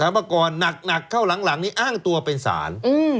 สารพกรหนักเข้าหลังนี้อ้างตัวเป็นสาร